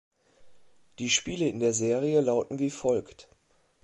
Die Spiele in der Serie lauten wie folgt.